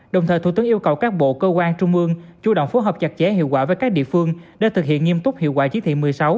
đồng thời thủ tướng yêu cầu các bộ cơ quan trung ương chủ động phối hợp chặt chẽ hiệu quả với các địa phương để thực hiện nghiêm túc hiệu quả chỉ thị một mươi sáu